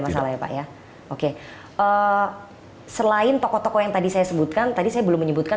masalah ya pak ya oke selain tokoh tokoh yang tadi saya sebutkan tadi saya belum menyebutkan